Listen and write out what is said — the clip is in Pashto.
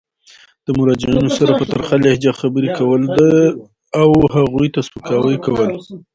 د مراجعینو سره په ترخه لهجه خبري کول او هغوی ته سپکاوی کول.